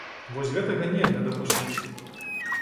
Вось гэтага нельга дапусціць.